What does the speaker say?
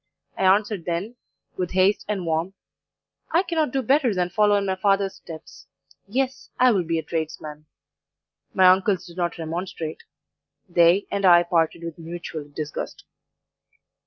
I answered then, with haste and warmth, 'I cannot do better than follow in my father's steps; yes, I will be a tradesman.' My uncles did not remonstrate; they and I parted with mutual disgust.